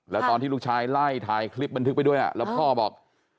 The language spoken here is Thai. แล้วตอนที่ลูกชายไล่ถ่ายคลิปบันทึกไปด้วยแล้วพ่อบอก